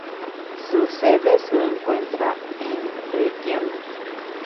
Su sede se encuentra en Reikiavik.